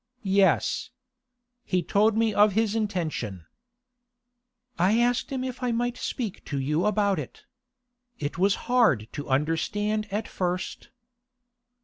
'Yes. He told me of his intention.' 'I asked him if I might speak to you about it. It was hard to understand at first.